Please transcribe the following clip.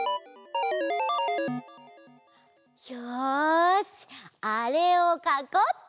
よしあれをかこうっと！